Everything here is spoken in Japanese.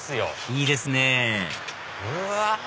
いいですねぇうわ